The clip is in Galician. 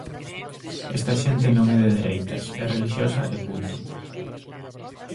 Esta xente non é de dereitas; é relixiosa, e punto.